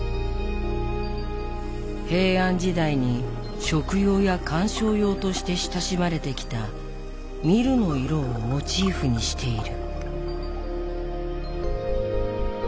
平安時代に食用や観賞用として親しまれてきた海松の色をモチーフにしている。